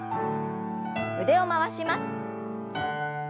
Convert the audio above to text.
腕を回します。